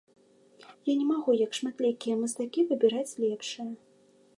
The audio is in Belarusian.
Я не магу, як шматлікія мастакі, выбіраць лепшае.